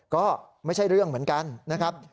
ก็ไม่ใช่เรื่องเหมือนกันนะครับ